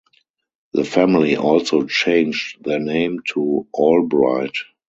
The family also changed their name to Albright.